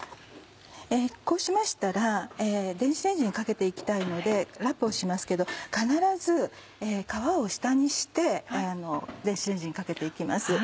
こうしましたら電子レンジにかけて行きたいのでラップをしますけど必ず皮を下にして電子レンジにかけて行きます。